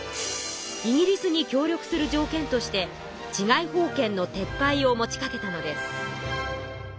イギリスに協力する条件として治外法権の撤廃を持ちかけたのです。